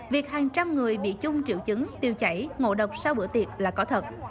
việc hàng trăm người bị chung triệu chứng tiêu chảy ngộ độc sau bữa tiệc là có thật